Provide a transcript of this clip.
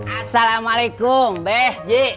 assalamualaikum beh ji